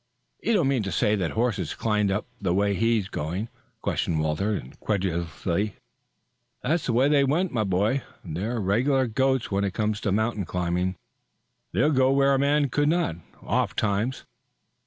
"You don't mean to say that horses climbed up the way he is going!" questioned Walter incredulously. "That's the way they went, my boy. They 're regular goats when it comes to mountain climbing. They'll go where a man could not, oftentimes."